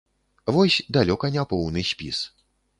Вось далёка не поўны спіс.